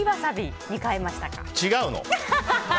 違うの？